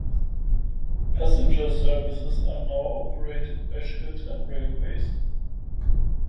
Passenger services are now operated by Chiltern Railways.